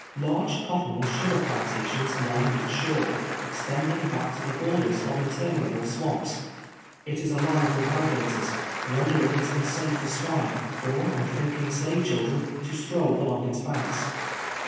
Large cotton and sugar plantations line each shore, extending ba(dv to the l)t>rders of interminable swamps. It is alive with aligators, rendering it un safe for swine, or unthinking slave children to stroll along its banks.